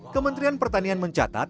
kementerian pertanian mencatat